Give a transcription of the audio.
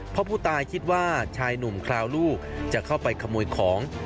เพราะผู้ตายคิดว่าชายหนุ่มคราวลูกจะเข้าไปขโมยของ